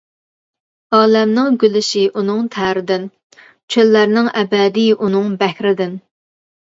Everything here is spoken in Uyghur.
ئالەمنىڭ گۈللىشى ئۇنىڭ تەرىدىن، چۆللەرنىڭ ئەبەدى ئۇنىڭ بەھرىدىن.